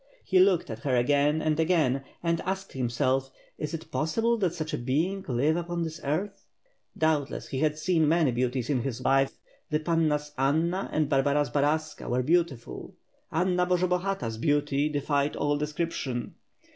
He looked at her again and again, and asked himsell, "Is it possible that such a being live upon this earth?" Doubtless he had seen many beauties in his life, the Pannas Anna and Barbara Zbaraska were beautiful, Anna Borzobahata's beauty WITH FIRE AND SWORD. 55^ defied all description.